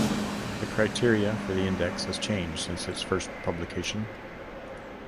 The criteria for the index has changed since its first publication.